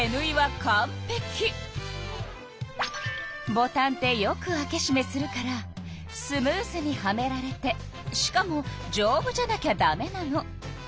ボタンってよく開けしめするからスムーズにはめられてしかもじょうぶじゃなきゃダメなの。